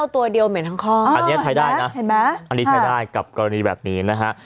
ตัวเดียวเหม็นทั้งข้ออันนี้ใช้ได้นะเห็นไหมอันนี้ใช้ได้กับกรณีแบบนี้นะฮะ